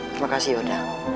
terima kasih oda